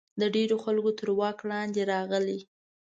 د ډېرو خلکو تر واک لاندې راغی.